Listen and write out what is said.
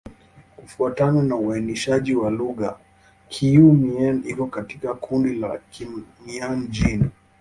Kufuatana na uainishaji wa lugha, Kiiu-Mien iko katika kundi la Kimian-Jin.